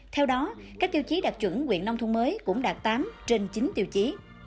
theo đó các tiêu chí đạt chuẩn quyện nông thôn mới cũng đạt tám trên chín tiêu chí